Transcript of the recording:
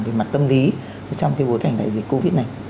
về mặt tâm lý trong cái bối cảnh đại dịch covid này